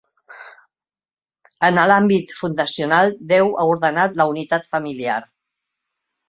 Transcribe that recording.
En l'àmbit fundacional, Déu ha ordenat la unitat familiar.